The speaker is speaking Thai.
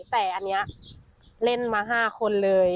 แต่อันนี้เล่นมา๕คนเลย